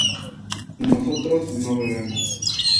nosotros no bebemos